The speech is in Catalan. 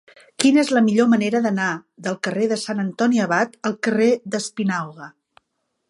Quina és la millor manera d'anar del carrer de Sant Antoni Abat al carrer d'Espinauga?